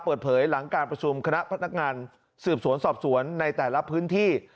เปิดเผยหลังการประชุมคณะพนักงานสืบสวนสอบสวนในแต่ละพื้นที่